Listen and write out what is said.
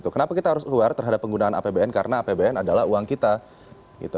kenapa kita harus aware terhadap penggunaan apbn karena apbn adalah uang kita gitu